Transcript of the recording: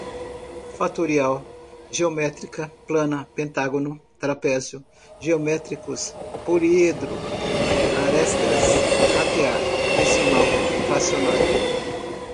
fatorial, geométrica, plana, pentágono, trapézio, geométricos, poliedro, arestas, ratear, decimal, fracionário